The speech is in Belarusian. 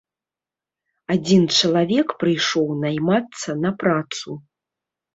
Адзін чалавек прыйшоў наймацца на працу.